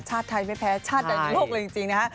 ชาติไทยไม่แพ้ชาติใดในโลกเลยจริงนะฮะ